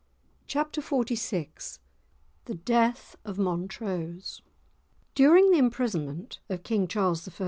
*Chapter XLVI* *The Death of Montrose* During the imprisonment of King Charles I.